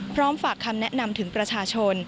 ฝากคำแนะนำถึงประชาชน